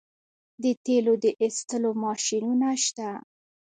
د تیلو د ایستلو ماشینونه شته.